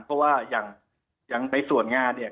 เพราะว่าอย่างในส่วนงานเนี่ย